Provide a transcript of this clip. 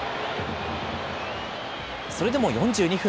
それでも４２分。